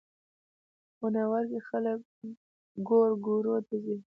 په منوره کې خلک ګورګورو ته ځي